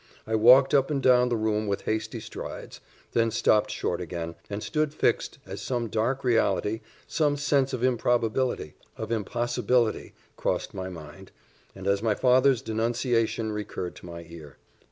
I walked up and down the room with hasty strides then stopped short again, and stood fixed, as some dark reality, some sense of improbability of impossibility, crossed my mind, and as my father's denunciation recurred to my ear.